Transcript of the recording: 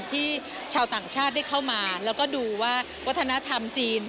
ชาวต่างชาติได้เข้ามาแล้วก็ดูว่าวัฒนธรรมจีน